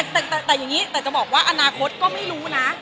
แต่อย่างนี้แต่จะบอกว่าอนาคตก็ไม่รู้นะ